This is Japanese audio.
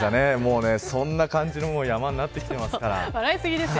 そんな感じの山になってきてますから。